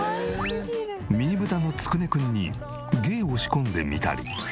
ミニブタのつくね君に芸を仕込んでみたり。